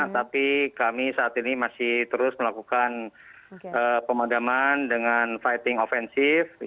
tapi kami saat ini masih terus melakukan pemadaman dengan fighting offensive